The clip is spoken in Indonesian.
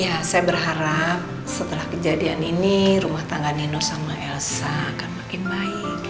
ya saya berharap setelah kejadian ini rumah tangga nenur sama elsa akan makin baik